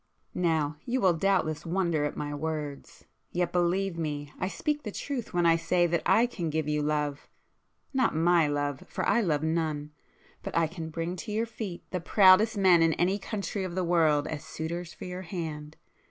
Now, you will doubtless wonder at my words—yet believe me I speak the truth when I say that I can give you love,—not my love, for I love none,—but I can bring to your feet the proudest men in any country of the world as suitors for your hand.